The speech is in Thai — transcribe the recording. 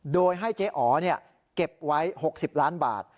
โดยให้เจ๊อ๋อเก็บไว้๖๐ล้านบาท